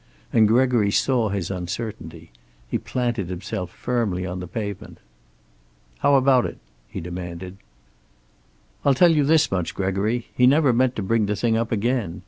And Gregory saw his uncertainty. He planted himself firmly on the pavement. "How about it?" he demanded. "I'll tell you this much, Gregory. He never meant to bring the thing up again.